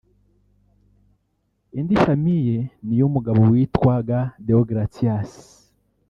Indi famille ni iy’umugabo witwaga Déogratias